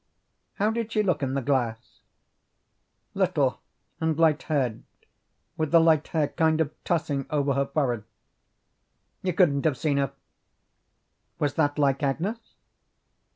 "How did she look in the glass?" "Little and light haired, with the light hair kind of tossing over her forehead." "You couldn't have seen her." "Was that like Agnes?"